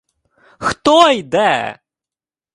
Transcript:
— Хто йде?!